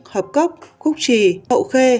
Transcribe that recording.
hợp cốc khúc trì hậu khê